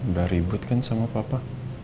udah ribet kan sama papa